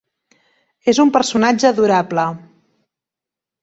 És un personatge adorable.